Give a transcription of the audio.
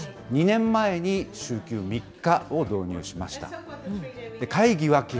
２年前に週休３日を導入しました。